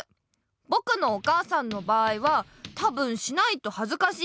ぼくのお母さんの場合はたぶんしないとはずかしい。